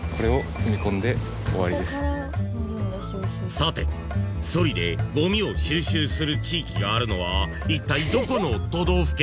［さてソリでごみを収集する地域があるのはいったいどこの都道府県？］